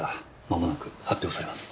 間もなく発表されます。